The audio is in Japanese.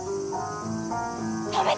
止めて！